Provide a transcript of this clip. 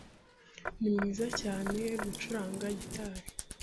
Ni mwiza cyane gucuranga gitari.